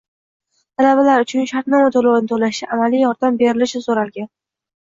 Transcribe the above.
Talabalar uchun shartnoma to‘lovini to‘lashda amaliy yordam berilishi so‘ralgan.